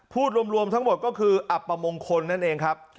พูดรวมทั้งหมดก็คืออับประมงคลนั่นเองครับ